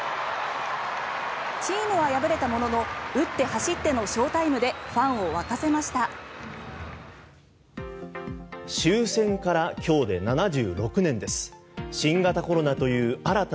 チームは敗れたものの打って走ってのショータイムでファンを沸かせました。